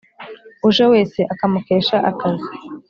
uje wese akamukesha akazi